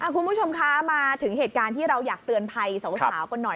คุณผู้ชมคะมาถึงเหตุการณ์ที่เราอยากเตือนภัยสาวกันหน่อย